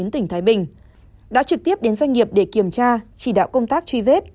tỉnh thái bình đã trực tiếp đến doanh nghiệp để kiểm tra chỉ đạo công tác truy vết